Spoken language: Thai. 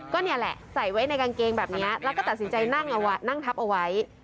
ก็นี่แหละใส่ไว้ในกางเกงแบบนี้แล้วก็ตัดสินใจนั่งทับเอาไว้